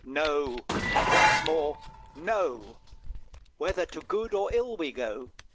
No; and once more, No! Whether to good or ill we go.